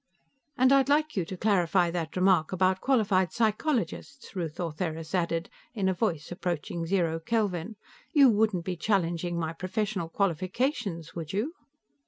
"And I'd like you to clarify that remark about qualified psychologists," Ruth Ortheris added, in a voice approaching zero Kelvin. "You wouldn't be challenging my professional qualifications, would you?"